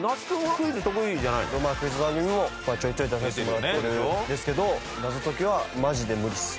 クイズ番組もちょいちょい出させてもらってるんですけど謎解きはマジで無理っす。